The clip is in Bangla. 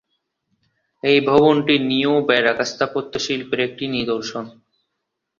এই ভবনটি নিও-ব্যারোক স্থাপত্যশৈলীর একটি নিদর্শন।